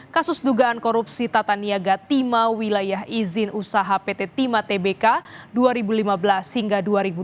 kasus dugaan korupsi tata niaga tima wilayah izin usaha pt tima tbk dua ribu lima belas hingga dua ribu dua puluh